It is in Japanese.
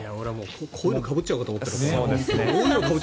こういうのをかぶっちゃおうかと。